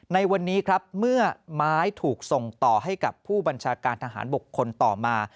ในวันนี้ครับเมื่อไม้ถูกส่งต่อให้กับผู้บัญชาการทหารบกคนต่อมา